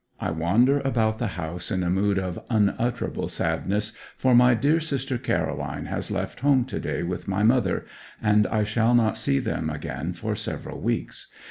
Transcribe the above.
I wander about the house in a mood of unutterable sadness, for my dear sister Caroline has left home to day with my mother, and I shall not see them again for several weeks.